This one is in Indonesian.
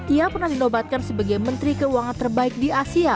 ia pernah dinobatkan sebagai menteri keuangan terbaik di asia